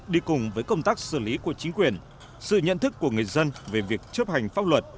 đi cùng với công tác xử lý của chính quyền sự nhận thức của người dân về việc chấp hành pháp luật